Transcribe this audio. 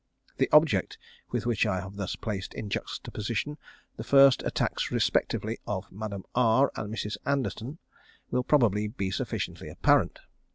The object with which I have thus placed in juxtaposition the first attacks respectively of Madame R and Mrs. Anderton will probably be sufficiently apparent.